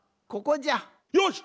よし！